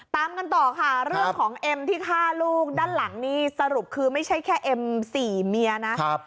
ตามกันต่อค่ะเรื่องของเอ็มที่ฆ่าลูกด้านหลังนี่สรุปคือไม่ใช่แค่เอ็มสี่เมียนะ